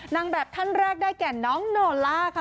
นางแบบท่านแรกได้แก่น้องโนล่าค่ะ